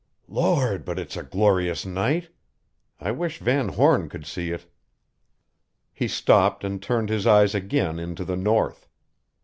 "Lord, but it's a glorious night! I wish Van Horn could see it." He stopped and turned his eyes again into the North.